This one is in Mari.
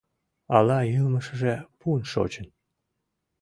Ала йылмешыже пун шочын?